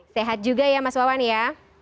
sehat juga ya mas wawan ya